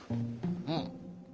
うん。